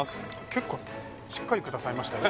結構しっかりくださいましたよ